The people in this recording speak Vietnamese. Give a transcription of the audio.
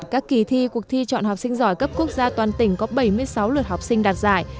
các kỳ thi cuộc thi chọn học sinh giỏi cấp quốc gia toàn tỉnh có bảy mươi sáu lượt học sinh đạt giải